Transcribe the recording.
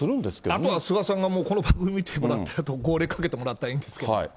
あとは菅さんがもうこの番組見てもらって、号令かけてもらったらいいんですけど。